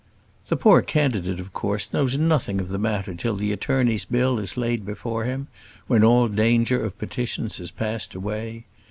The poor candidate of course knows nothing of the matter till the attorney's bill is laid before him, when all danger of petitions has passed away.